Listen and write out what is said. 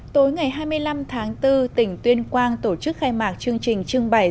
tối ngày hai mươi năm tháng bốn tỉnh tuyên quang tổ chức khai mạc chương trình trưng bày